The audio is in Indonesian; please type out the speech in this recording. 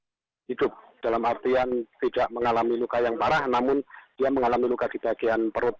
dan pelaku sejauh ini masih hidup dalam artian tidak mengalami luka yang parah namun dia mengalami luka di bagian perut